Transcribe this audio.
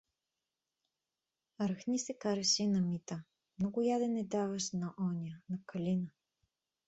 Рахни се караше и на Мита: — Много ядене даваш на оня, на Калина.